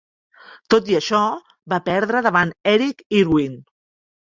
Tot i això, va perdre davant Eric Irwin.